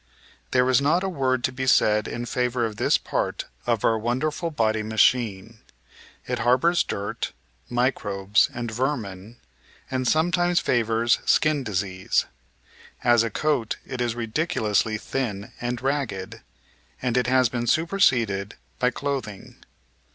There is not a word to be said in favour of this part of our wonderful body machine. It harbours dirt, microbes, and vermin, and sometimes favours skin disease. As a coat it is ridiculously thin and ragged, and it has been superseded by clothing.